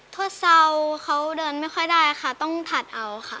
ทดเซาเขาเดินไม่ค่อยได้ค่ะต้องถัดเอาค่ะ